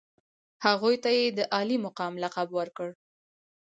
هغوی ته یې د عالي مقام لقب ورکړ.